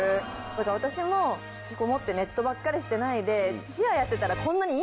私も引きこもってネットばっかりしてないで。